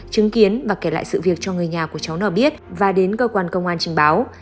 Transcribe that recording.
chứng kiến và kể lại sự việc cho người nhà của cháu nào biết và đến cơ quan công an trình báo